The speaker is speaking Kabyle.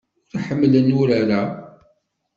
Ur ḥemmlen urar-a.